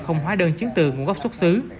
không hóa đơn chiến từ nguồn gốc xuất xứ